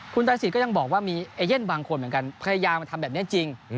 คุณตาศิษย์ก็ยังบอกว่ามีเอเย่นบางคนเหมือนกันพยายามมาทำแบบนี้จริง